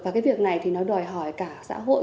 và cái việc này thì nó đòi hỏi cả xã hội